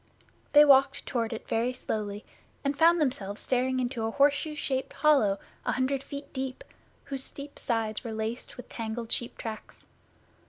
They walked toward it very slowly and found themselves staring into a horseshoe shaped hollow a hundred feet deep, whose steep sides were laced with tangled sheep tracks.